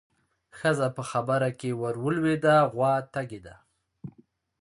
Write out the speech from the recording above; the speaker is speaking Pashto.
ښځه په خبره کې ورولوېده: غوا تږې ده.